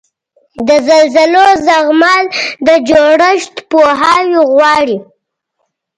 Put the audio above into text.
د زلزلو زغمل د جوړښت پوهاوی غواړي.